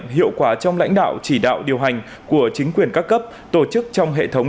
hiệu quả trong lãnh đạo chỉ đạo điều hành của chính quyền các cấp tổ chức trong hệ thống